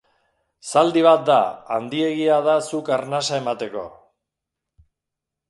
Zaldi bat da, handiegia da zuk arnasa emateko.